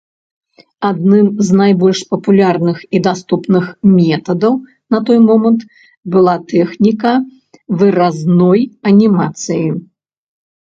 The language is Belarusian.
Адным з найбольш папулярных і даступных метадаў на той момант была тэхніка выразной анімацыі.